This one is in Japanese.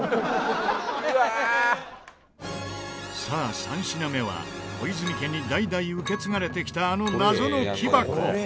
さあ３品目は小泉家に代々受け継がれてきたあの謎の木箱。